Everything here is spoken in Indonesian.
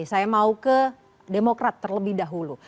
saya mau ke demokrat terlebih dahulu